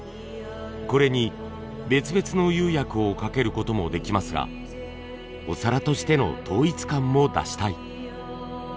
これに別々の釉薬をかけることもできますがお皿としての統一感も出したい。